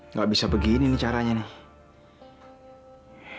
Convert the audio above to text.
nggak bisa begini nih caranya nih